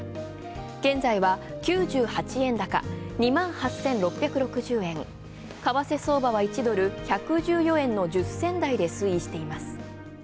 現在は９８円高２８６６０円、為替相場は１ドル１１１円の１０銭代で推移しています。